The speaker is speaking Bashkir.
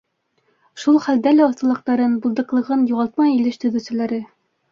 Шул хәлдә лә оҫталыҡтарын, булдыҡлылығын юғалтмай Илеш төҙөүселәре.